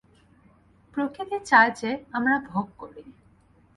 প্রকৃতি চায় যে, আমরা ভোগ করি।